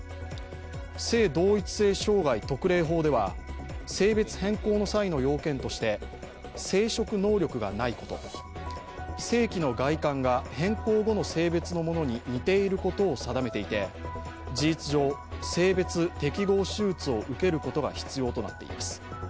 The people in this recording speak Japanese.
性同一性障害特例法では性別変更の際の要件として生殖能力がないこと、性器の外観が変更後の性別のものに似ていることを定めていて、事実上、性別適合手術を受けることが必要となっています。